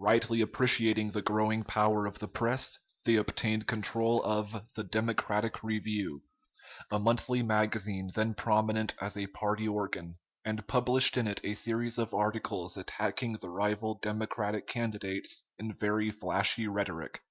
Rightly appreciating the growing power of the press, they obtained control of the "Democratic Review," a monthly magazine then prominent as a party organ, and published in it a series of articles attacking the rival Democratic candidates in very flashy rhetoric.